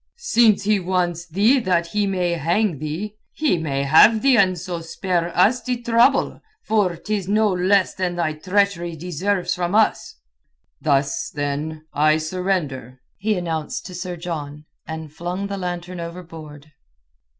"Since he wants thee that he may hang thee, he may have thee and so spare us the trouble, for 'tis no less than thy treachery deserves from us." "Thus, then, I surrender," he announced to Sir John, and flung the lantern overboard.